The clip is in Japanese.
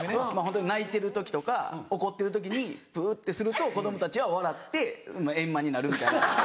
泣いてる時とか怒ってる時にプってすると子供たちは笑って円満になるみたいな。